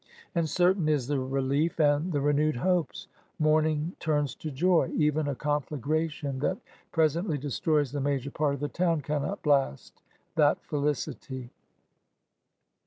And cer tain is the relief and the renewed hopes. Mourn ing turns to joy. Even a conflagration that presently destroys the major part of the town can not blast that felicity.